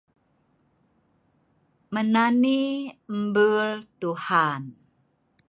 Menani mbul Tuhan